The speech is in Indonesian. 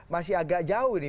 masih agak jauh nih